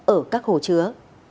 ở các hồ chứa